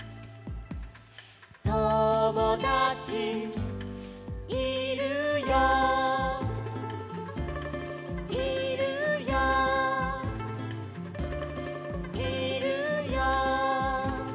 「ともだちいるよいるよいるよ」